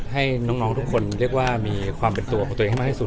ให้น้องทุกคนเรียกว่ามีความเป็นตัวของตัวเองให้มากที่สุด